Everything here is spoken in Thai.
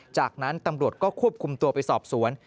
จากนั้นตำรวจก็ควบคุมตัวไปสอบสวน